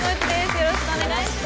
よろしくお願いします。